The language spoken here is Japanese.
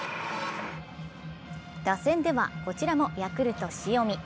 打線では、こちらもヤクルト・塩見。